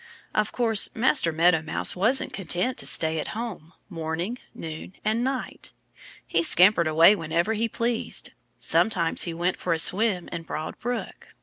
Of course Master Meadow Mouse wasn't content to stay at home morning, noon and night. He scampered away whenever he pleased. Sometimes he went for a swim in Broad Brook.